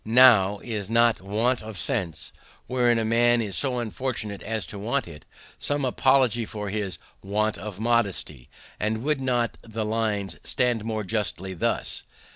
Now, is not want of sense (where a man is so unfortunate as to want it) some apology for his want of modesty? and would not the lines stand more justly thus?